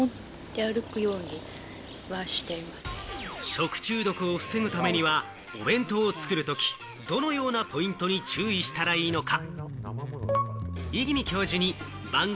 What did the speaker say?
食中毒を防ぐためには、お弁当を作るとき、どのようなポイントに注意したらいいのか？